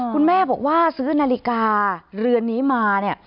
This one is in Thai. คุณแม่บอกว่าซื้อนาฬิกาเรือนนี้มาเนี่ย